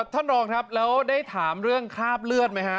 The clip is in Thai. ท่านรองครับแล้วได้ถามเรื่องคราบเลือดไหมฮะ